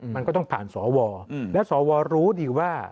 มันก็ต้องผ่านสวและสวรู้ดีว่า